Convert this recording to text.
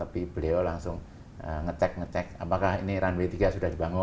tapi beliau langsung ngecek ngecek apakah ini runway tiga sudah dibangun